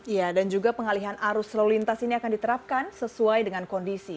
ya dan juga pengalihan arus lalu lintas ini akan diterapkan sesuai dengan kondisi